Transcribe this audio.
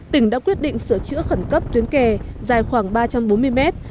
tỉnh đã quyết định sửa chữa khẩn cấp tuyến kè dài khoảng ba trăm bốn mươi mét